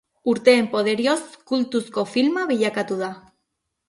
Urteen poderioz kultuzko filma bilakatu da.